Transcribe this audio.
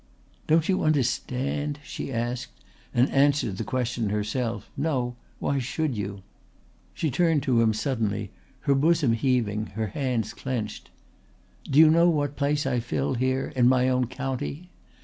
"Don't you understand?" she asked, and answered the question herself. "No, why should you?" She turned to him suddenly, her bosom heaving, her hands clenched. "Do you know what place I fill here, in my own county?